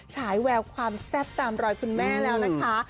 ฉายแววความแซ่บตามรอยคุณแม่แล้วนะคะ